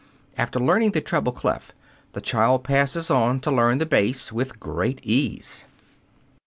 After learning the treble clef the child passes on to learn the bass with great ease.